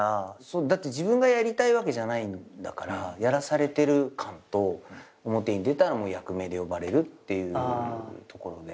だって自分がやりたいわけじゃないんだからやらされてる感と表に出たら役名で呼ばれるっていうところで。